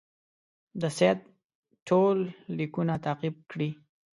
د سید ټول لیکونه تعقیب کړي.